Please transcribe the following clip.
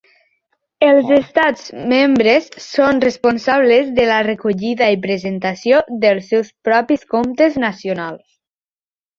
Els estats membres són responsables de la recollida i presentació dels seus propis comptes nacionals.